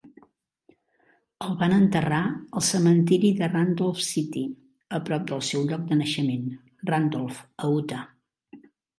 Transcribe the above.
El van enterrar al cementiri de Randolph City, a prop del seu lloc de naixement, Randolph, a Utah.